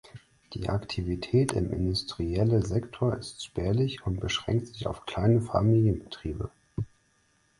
Die Aktivität im industrielle Sektor ist spärlich und beschränkt sich auf kleine Familienbetriebe.